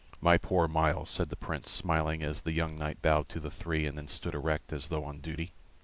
"My poor Myles," said the Prince, smiling, as the young knight bowed to the three, and then stood erect, as though on duty.